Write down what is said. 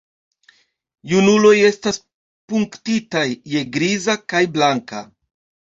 Junuloj estas punktitaj je griza kaj blanka.